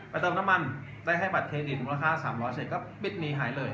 เติมน้ำมันได้ให้บัตรเครดิตมูลค่า๓๐๐เสร็จก็ปิดหนีหายเลย